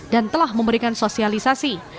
dan telah memberikan sosialisasi